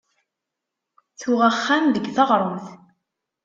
Tuɣ axxam deg taɣremt.